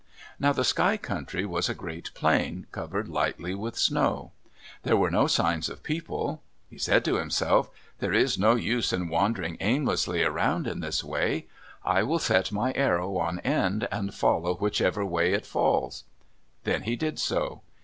Now the Sky Country was a great plain, covered lightly with snow. There were no signs of people. He said to himself, "There is no use in wandering aimlessly around in this way. I will set my arrow on end, and follow whichever way it falls." Then he did so.